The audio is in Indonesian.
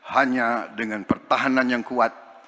hanya dengan pertahanan yang kuat